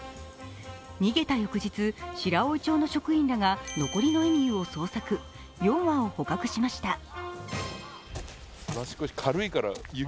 逃げた翌日、白老町の職員らが残りのエミューを捜索４羽を捕獲しました。